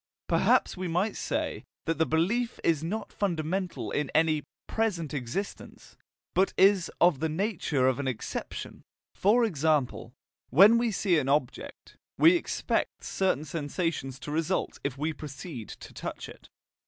Perhaps we might say that the belief is not fundamentally in any PRESENT existence, but is of the nature of an expectation: for example, when we see an object, we expect certain sensations to result if we proceed to touch it.